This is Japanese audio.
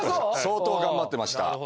相当頑張ってました。